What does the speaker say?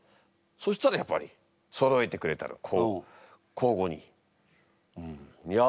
そしたらやっぱりそろえてくれたろ口語に。